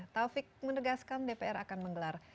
taufik menegaskan dpr akan menggelar